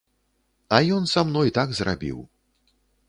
А ён са мной так зрабіў.